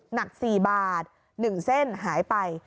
หนัก๔บาท๑เส้นหายไป